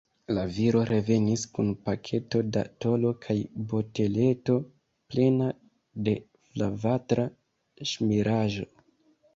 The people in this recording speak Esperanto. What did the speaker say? La viro revenis kun paketo da tolo kaj boteleto plena de flavatra ŝmiraĵo.